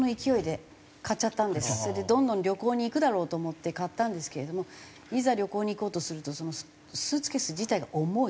それでどんどん旅行に行くだろうと思って買ったんですけれどもいざ旅行に行こうとするとスーツケース自体が重い。